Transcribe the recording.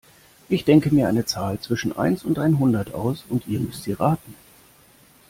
Ich denke mir eine Zahl zwischen eins und einhundert aus und ihr müsst sie raten.